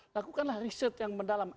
lakukanlah riset yang mendalam